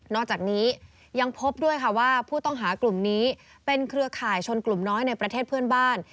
อกจากนี้ยังพบด้วยค่ะว่าผู้ต้องหากลุ่มนี้เป็นเครือข่ายชนกลุ่มน้อยในประเทศเพื่อนบ้าน